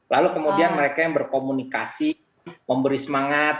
lalu kemudian mereka yang berkomunikasi memberi semangat